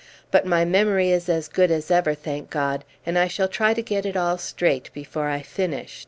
But my memory is as good as ever, thank God, and I shall try to get it all straight before I finish.